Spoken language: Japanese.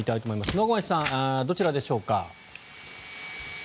野上さん、どちらでしょうか。